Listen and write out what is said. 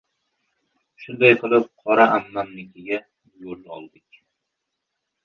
Shunday qilib, «Qora ammam»nikiga yo‘l oldik.